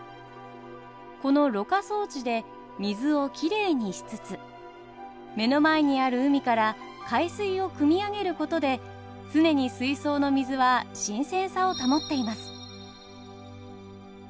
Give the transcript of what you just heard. このろ過装置で水をきれいにしつつ目の前にある海から海水をくみ上げることで常に水槽の水は新鮮さを保っています。